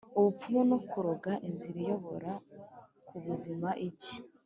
Ubupfumu no Kuroga Inzira iyobora ku buzima igi